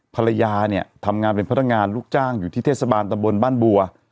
ภรรยาเนี่ยทำงานเป็นพนักงานลูกจ้างอยู่ที่เทศบาลตะบนบ้านบัว